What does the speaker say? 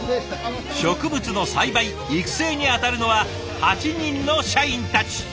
植物の栽培育成に当たるのは８人の社員たち。